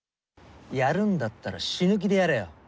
やるんだったら死ぬ気でやれよ。